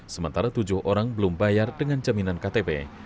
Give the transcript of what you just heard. sementara tujuh orang belum bayar dengan jaminan ktp